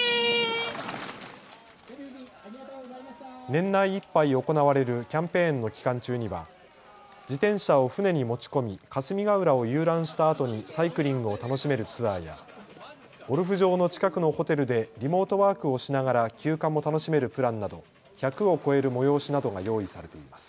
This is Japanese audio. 年内いっぱい行われるキャンペーンの期間中には自転車を船に持ち込み霞ヶ浦を遊覧したあとにサイクリングを楽しめるツアーやゴルフ場の近くのホテルでリモートワークをしながら休暇も楽しめるプランなど１００を超える催しなどが用意されています。